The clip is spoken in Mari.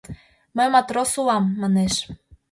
— Мый матрос улам, — манеш.